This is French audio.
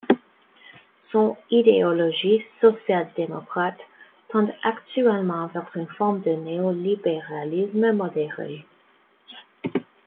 Son idéologie social-démocrate tend actuellement vers une forme de néolibéralisme modéré.